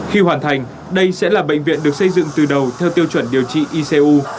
khi hoàn thành đây sẽ là bệnh viện được xây dựng từ đầu theo tiêu chuẩn điều trị icu